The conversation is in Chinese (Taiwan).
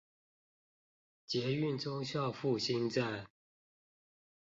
捷運忠孝復興站